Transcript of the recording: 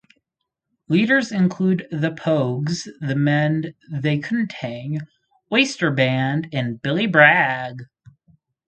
Leaders included The Pogues, The Men They Couldn't Hang, Oyster Band and Billy Bragg.